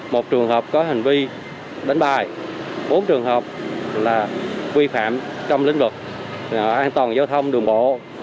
một trường hợp có hành vi đánh bài bốn trường hợp là vi phạm trong lĩnh vực an toàn giao thông đường bộ